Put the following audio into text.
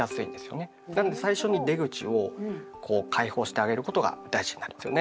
なんで最初に出口をこう開放してあげることが大事になるんですよね。